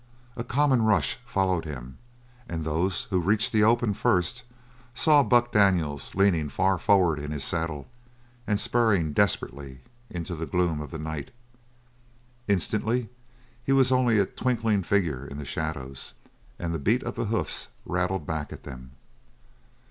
A common rush followed him, and those who reached the open first saw Buck Daniels leaning far forward in his saddle and spurring desperately into the gloom of the night. Instantly he was only a twinkling figure in the shadows, and the beat of the hoofs rattled back at them.